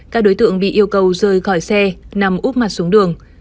các đối tượng bị yêu cầu rời khỏi xe nằm úp mặt xuống đường